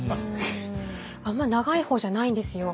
あんま長い方じゃないんですよ。